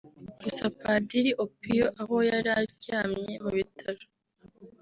Gusa Padiri Opio aho yari aryamye mu bitaro